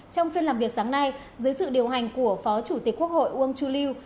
trong phiên làm việc sáng nay dưới sự điều hành của phó chủ tịch quốc hội uông chu liêu